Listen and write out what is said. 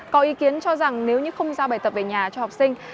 có ý kiến cho rằng nếu như không giao bài tập về nhà cho học sinh